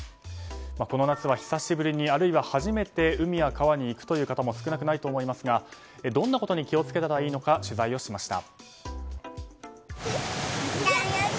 この夏は久しぶりにあるいは初めて海や川に行くという方も少なくないと思いますがどんなことに気をつけたらいいか取材しました。